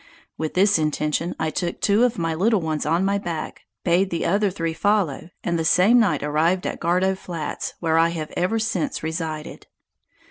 With this intention I took two of my little ones on my back, bade the other three follow, and the same night arrived on the Gardow flats, where I have ever since resided.